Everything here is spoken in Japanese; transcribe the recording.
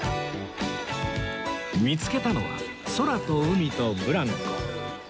見つけたのは空と海とブランコ